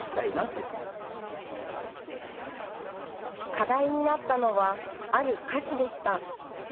課題になったのはある歌詞でした。